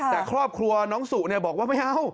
แต่ครอบครัวน้องสุบอกว่าไม่เอา